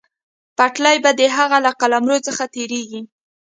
پټلۍ به د هغه له قلمرو څخه تېرېږي.